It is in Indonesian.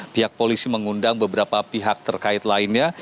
pihak polisi mengundang beberapa pihak terkait lainnya